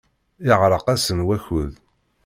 Yeɛreq-asen wakud.